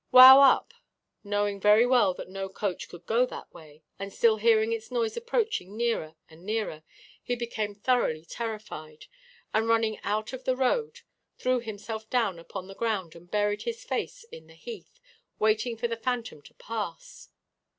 'Wow up!' Knowing very well that no coach could go that way, and still hearing its noise approaching nearer and nearer, he became thoroughly terrified, and running out of the road threw himself down upon the ground and buried his face in the heath, waiting for the phantom to pass.